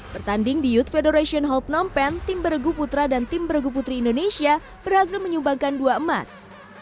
pertanding di youth federation hope nompeng tim beregu putra dan tim beregu putri indonesia berhasil menyumbangkan dua emas